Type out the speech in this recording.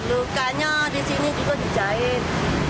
lukanya di sini juga dijahit